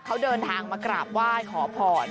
เขาเดินทางมากราบไหว้ขอพร